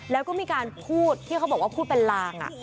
แล้วก็มีการพูดที่เขาบอกว่าพูดเป็นลาง